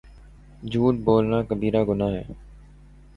جھوٹ بولنا کبیرہ گناہ ہے